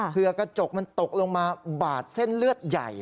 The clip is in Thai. เพื่อกระจกมันตกลงมาบาดเส้นเลือดใหญ่